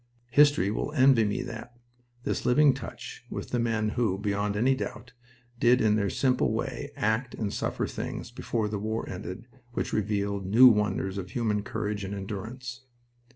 History will envy me that, this living touch with the men who, beyond any doubt, did in their simple way act and suffer things before the war ended which revealed new wonders of human courage and endurance.